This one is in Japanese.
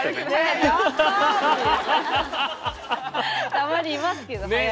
たまにいますけど速い人。